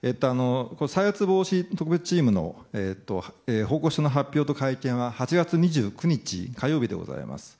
再発防止特別チームの報告書の発表と会見は８月２９日、火曜日でございます。